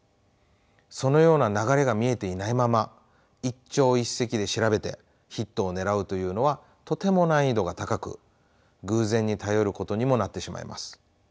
そのような流れが見えていないまま一朝一夕で調べてヒットをねらうというのはとても難易度が高く偶然に頼ることにもなってしまいます。